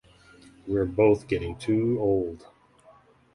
We're both getting too old.